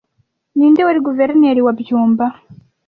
Ninde wari guverineri wa byumba